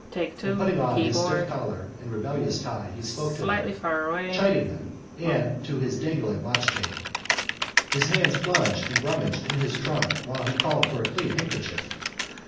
And putting on his stiff collar and rebellious tie he spoke to them, chiding them, and to his dangling watchchain. His hands plunged and rummaged in his trunk while he called for a clean handkerchief.